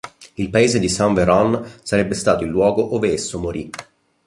Il paese di Saint-Véran sarebbe stato il luogo ove esso morì.